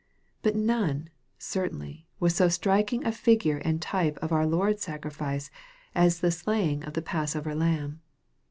But none, certainly, was so striking a figure and type of our Lord's sacrifice, as the slaying of the passover lamb.